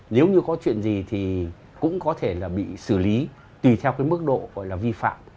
nếu như có chuyện gì thì cũng có thể là bị xử lý tùy theo cái mức độ gọi là vi phạm